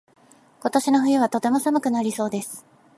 今年の冬はとても寒くなりそうです。